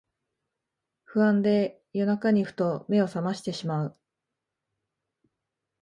不安で夜中にふと目をさましてしまう